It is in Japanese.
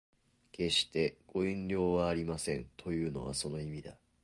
決してご遠慮はありませんというのはその意味だ